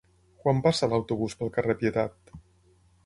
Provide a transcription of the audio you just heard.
Quan passa l'autobús pel carrer Pietat?